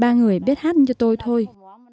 chỉ còn hai ba người biết hát cho tôi thôi